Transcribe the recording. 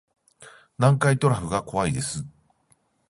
南海トラフが怖いです